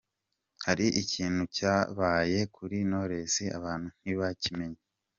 Hari ikintu cyabaye kuri Knowless abantu ntibakimenya.